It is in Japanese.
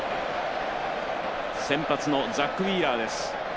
先発のザック・ウィーラーです。